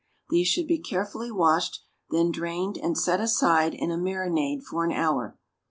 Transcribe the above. These should be carefully washed, then drained and set aside in a marinade for an hour.